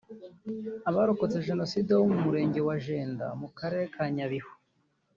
Abarokotse Jenoside bo mu murenge wa Jenda mu karere ka Nyabihu